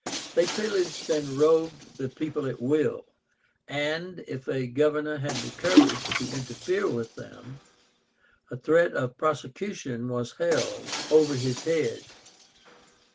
They pillaged and robbed the people at will, and, if a governor had the courage to interfere with them, a threat of prosecution was held over his head.